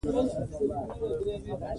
په افغانستان کې کلتور شتون لري.